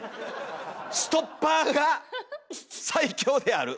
「ストッパーが最強である」。